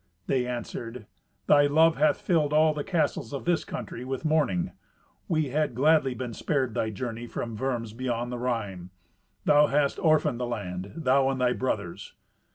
They answered, "Thy love hath filled all the castles of this country with mourning. We had gladly been spared thy journey from Worms beyond the Rhine. Thou hast orphaned the land—thou and thy brothers."